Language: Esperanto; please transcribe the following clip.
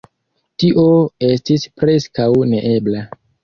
Tio estis preskaŭ neebla!